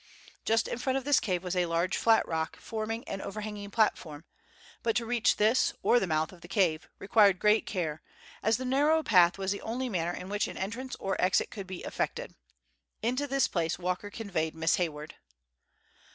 Just in front of this cave was a large, flat rock, forming an overhanging platform, but to reach this, or the mouth of the cave, required great care, as the narrow path was the only manner in which an entrance or exit could be effected. Into this place Walker conveyed Miss Hayward.